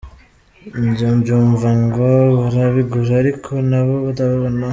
Njya mbyumva ngo barabigura ariko ntabo ndabona.